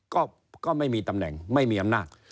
ก็ไม่มีตำแหน่งไม่มีอำนาจ